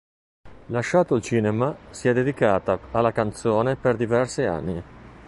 Lasciato il cinema, si è dedicata alla canzone per diversi anni.